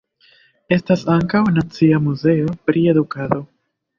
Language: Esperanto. Estas ankaŭ "Nacia Muzeo pri Edukado".